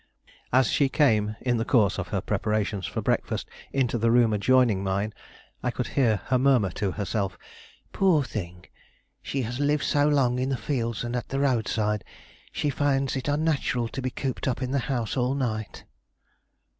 As she came, in the course of her preparations for breakfast, into the room adjoining mine, I could hear her murmur to herself: "Poor thing! She has lived so long in the fields and at the roadside, she finds it unnatural to be cooped up in the house all night."